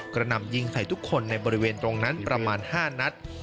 หนำยิงใส่ทุกคนในบริเวณตรงนั้นประมาณ๕นัด